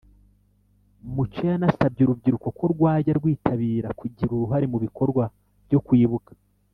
Mucyo yanasabye urubyiruko ko rwajya rwitabira kugira uruhare mu bikorwa byo kwibuka